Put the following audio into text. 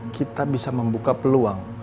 kita bisa membuka peluang